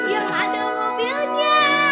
yang ada mobilnya